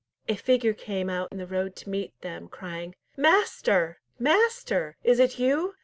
A figure came out in the road to meet them, crying, "Master! master! is it you?